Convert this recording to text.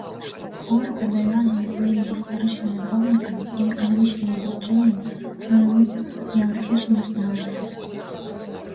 Горад абавязаны сваім гістарычнымі помнікамі і эканамічным значэннем свайму геаграфічнаму становішчу.